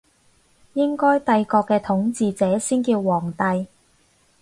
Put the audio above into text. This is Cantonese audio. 應該帝國嘅統治者先叫皇帝